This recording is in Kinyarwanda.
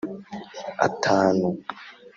atanu